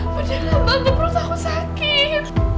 beneran tante perut aku sakit